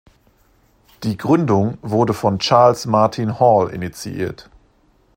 Die Gründung wurde von Charles Martin Hall initiiert.